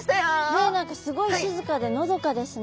ねえ何かすごい静かでのどかですね。